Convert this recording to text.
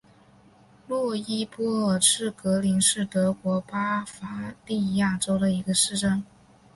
洛伊波尔茨格林是德国巴伐利亚州的一个市镇。